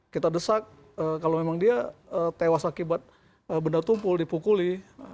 kita desak kalau memang dia tewas akibat benda tumpul dipukuli